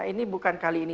ini bukan kali ini